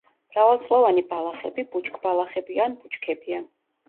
მრავალწლოვანი ბალახები, ბუჩქბალახები ან ბუჩქებია.